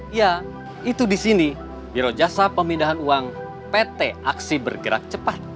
iya itu disini biro jasa pemindahan uang pt aksi bergerak cepat